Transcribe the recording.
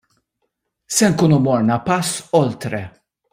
Se nkunu morna pass oltre.